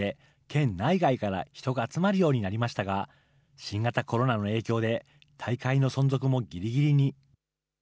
県内外から人が集まるようになりましたが、新型コロナの影響で大会の存続もぎりぎりに。